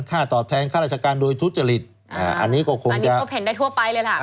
ตอบแทนค่าราชการโดยทุจริตอันนี้ก็คงอันนี้พบเห็นได้ทั่วไปเลยล่ะ